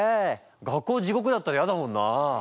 学校地獄だったらやだもんなあ。